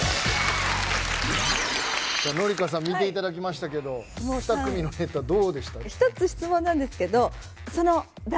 さあ紀香さん見ていただきましたけど２組のネタどうでした？